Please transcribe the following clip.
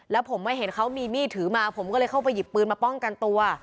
แล้วผมมาเห็นเขามีมีดถือมาผมก็เลยเข้าไปหยิบปืนมาป้องกันตัว